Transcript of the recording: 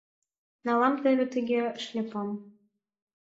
Налам теве тыге шляпам.